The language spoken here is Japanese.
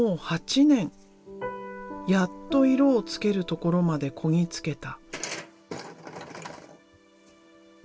やっと色をつけるところまでこぎ着けた。